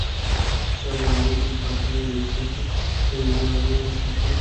La diagonal del pasillo de acceso señala la línea Norte-Sur.